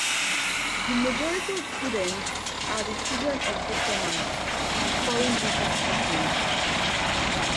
The majority of students are the children of diplomats and foreign businesspeople.